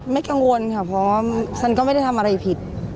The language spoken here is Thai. กังวลค่ะเพราะว่าฉันก็ไม่ได้ทำอะไรผิด